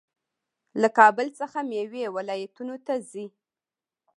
له کابل څخه میوې ولایتونو ته ځي.